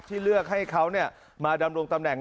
ที่เลือกให้เขามาดำรงตำแหน่ง